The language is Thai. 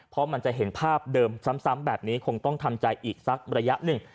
เพราะมันจะเห็นภาพเดิมซ้ำแบบนี้คงต้องทำใจอีกสักระยะหนึ่ง